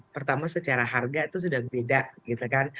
pertama secara harga itu sudah berbeda